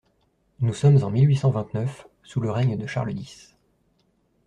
Nous sommes en mille huit cent vingt-neuf, sous le règne de Charles dix.